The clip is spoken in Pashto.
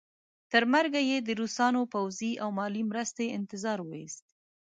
تر مرګه یې د روسانو پوځي او مالي مرستې انتظار وایست.